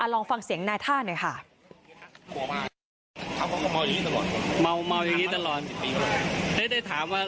ลองฟังเสียงนายท่าหน่อยค่ะ